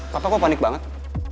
papa kok panik banget